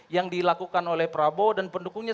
yang dilakukan oleh prabowo dan pendukungnya